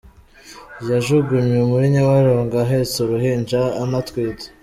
Yajugunywe muri Nyabarongo ahetse uruhinja anatwite.